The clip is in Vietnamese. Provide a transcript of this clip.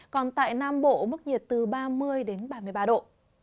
còn tại nam bộ mức nhiệt từ ba mươi đến ba mươi ba độ